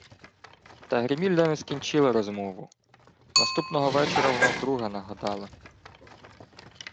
Та Гримільда не скінчила розмову. Наступного вечора вона вдруге нагадала: